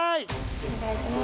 お願いします